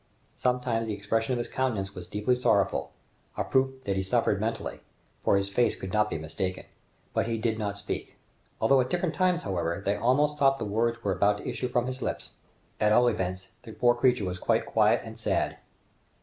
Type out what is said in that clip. Sometimes the expression of his countenance was deeply sorrowful, a proof that he suffered mentally, for his face could not be mistaken; but he did not speak, although at different times, however, they almost thought that words were about to issue from his lips. At all events, the poor creature was quite quiet and sad!